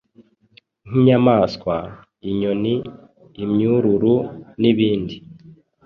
nk’inyamaswa, inyoni imyururu n’ibindi